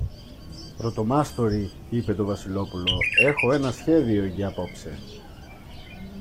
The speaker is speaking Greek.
Πρωτομάστορη, είπε το Βασιλόπουλο, έχω ένα σχέδιο για απόψε.